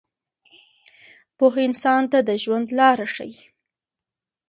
پوهه انسان ته د ژوند لاره ښیي.